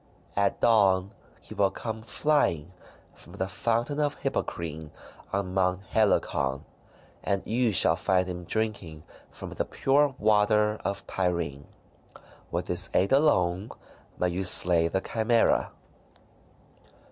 At dawn he will come flying from the Fountain of Hippocrene on Mount Helicon, and you shall find him drinking from the pure water of Pirene. With his aid alone may you slay the Chimaera."